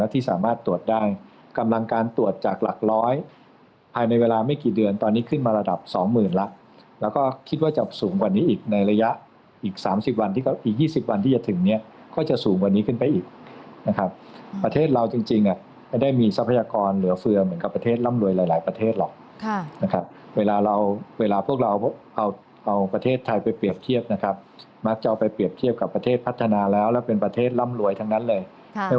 ที่สามารถตรวจได้กำลังการตรวจจากหลักร้อยภายในเวลาไม่กี่เดือนตอนนี้ขึ้นมาระดับสองหมื่นแล้วแล้วก็คิดว่าจะสูงกว่านี้อีกในระยะอีกสามสิบวันที่อีกยี่สิบวันที่จะถึงเนี้ยก็จะสูงกว่านี้ขึ้นไปอีกนะครับประเทศเราจริงจริงอ่ะไม่ได้มีทรัพยากรเหลือเฟือเหมือนกับประเทศร่ำรวยหลายหลายป